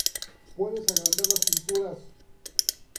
Puedes agrandar las pinturas.